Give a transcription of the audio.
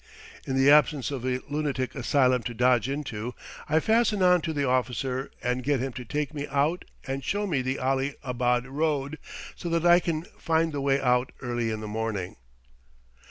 In the absence of a lunatic asylum to dodge into, I fasten on to the officer and get him to take me out and show me the Ali abad road, so that I can find the way out early in the morning.